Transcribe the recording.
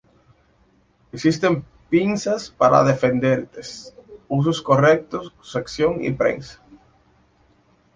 Existen pinzas para diferentes usos: corte, sujeción, prensa.